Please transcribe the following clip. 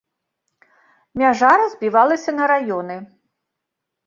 Мяжа разбівалася на раёны.